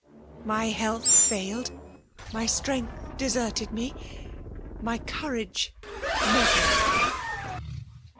My health finled — my strength deserted me — my courage never!